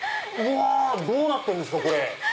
どうなってんですか？